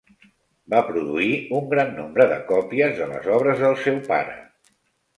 Va produir un gran nombre de còpies de les obres del seu pare.